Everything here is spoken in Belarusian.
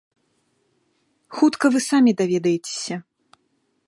Хутка вы самі даведаецеся.